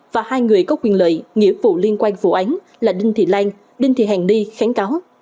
và hai người có quyền lợi nghĩa vụ liên quan vụ án là đinh thị lan đinh thị hàng đi kháng cáo